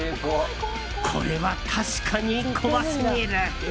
これは確かに怖すぎる！